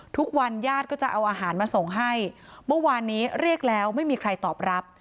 ญาติก็จะเอาอาหารมาส่งให้เมื่อวานนี้เรียกแล้วไม่มีใครตอบรับ